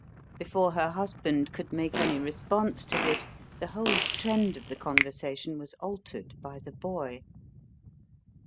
Before her husband could make any response to this, the whole trend of the conversation was altered by the boy.